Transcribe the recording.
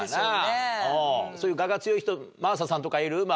そういう我が強い人真麻さんとかいる？